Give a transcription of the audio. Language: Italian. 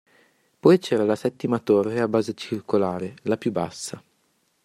Poi c'era la settima torre a base circolare, la più bassa.